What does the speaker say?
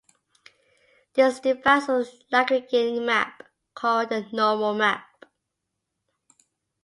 This defines a Lagrangian map, called the normal map.